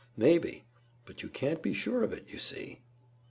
maybe. But you can't be sure of it, you see."